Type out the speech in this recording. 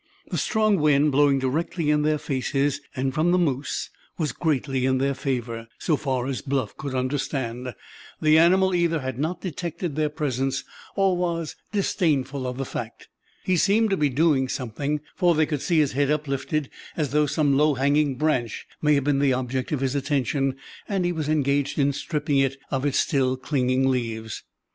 That strong wind blowing directly in their faces, and from the moose, was greatly in their favor. So far as Bluff could understand, the animal either had not detected their presence, or was disdainful of the fact. He seemed to be doing something, for they could see his head uplifted, as though some low hanging branch may have been the object of his attention, and he was engaged in stripping it of its still clinging leaves.